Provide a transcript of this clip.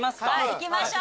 行きましょう。